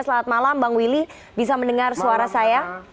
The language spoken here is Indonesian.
selamat malam bang willy bisa mendengar suara saya